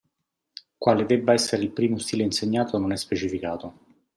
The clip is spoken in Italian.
Quale debba essere il primo stile insegnato non è specificato.